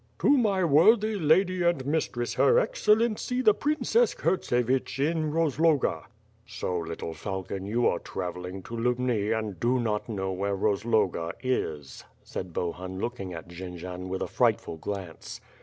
"To my worthy lady and mistress. Her Excel lency the Princes Kurtsevich, in Rozloga." "So little falcon, you are travelling to Lubni, and do not know where Rozloga is," said Bohun looking at Jendzian with a frightful glance.